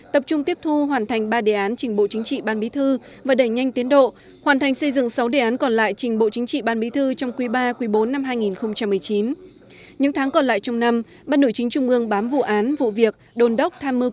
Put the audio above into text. tập trung tiếp thu hoàn thành ba đề án trình bộ chính trị ban bí thư và đẩy nhanh tiến độ hoàn thành xây dựng sáu đề án còn lại trình bộ chính trị ban bí thư trong quý ba quý bốn năm hai nghìn một mươi chín